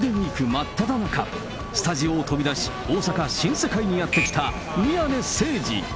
真っただ中、スタジオを飛び出し、大阪・新世界にやって来た宮根誠司。